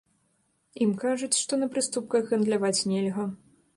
Ім кажуць, што на прыступках гандляваць нельга.